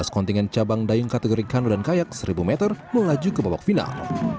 dua belas kontingen cabang dayung kategori kano dan kayak seribu meter melaju ke babak final